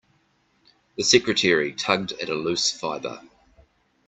The secretary tugged at a loose fibre.